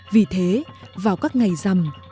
vì thế vào các ngày rằm